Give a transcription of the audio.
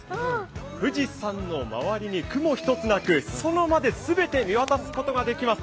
富士山の周りに雲一つなくすそ野まで全て見渡すことができます。